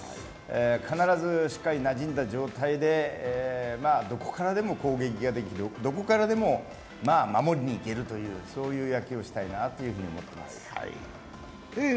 必ず、しっかりなじんだ状態でどこからでも攻撃ができる、どこからでも守りにいけるという野球をしたいなと思います。